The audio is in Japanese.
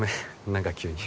何か急に。